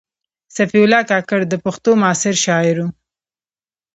صفي الله کاکړ د پښتو معاصر شاعر و.